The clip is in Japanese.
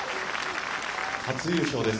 初優勝です。